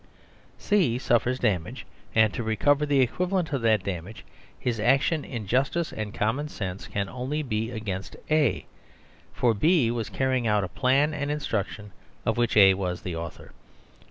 C suffers damage, and to recover the equivalent of that damage his action in justice and common sense can only be against A, for B was carrying out a plan and instruction of which A was the author.